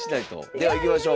ではいきましょう。